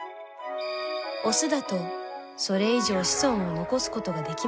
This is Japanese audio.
オスだとそれ以上子孫を残すことができません。